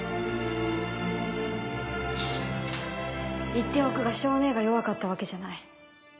言っておくが象姉が弱かったわけじゃない。